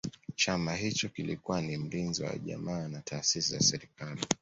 Chama hicho kilikuwa ni mlinzi wa ujamaa na taasisi za serikali